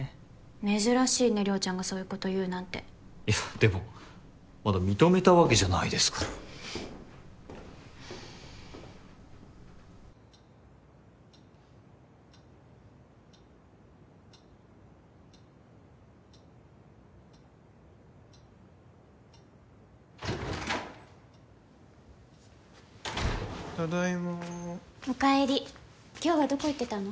珍しいねリョウちゃんがそういうこと言うなんていやでもまだ認めたわけじゃないですからただいまーおかえり今日はどこ行ってたの？